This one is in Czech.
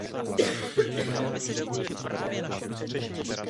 Tomuto muži nebyla ve vězení poskytnuta jakákoli zdravotní péče.